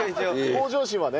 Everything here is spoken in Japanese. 向上心はね。